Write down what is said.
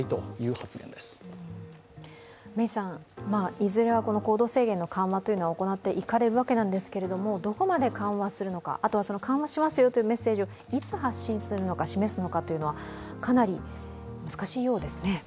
いずれは行動制限の緩和は行っていかれるわけなんですけれども、どこまで緩和するのか、緩和しますよというメッセージをいつ発信するのか、示すのかというのはかなり難しいようですね？